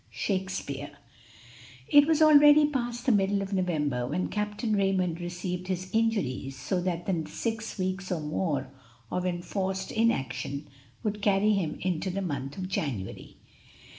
Shakspeare. It was already past the middle of November when Captain Raymond received his injuries, so that the six weeks or more of enforced inaction would carry him into the month of January.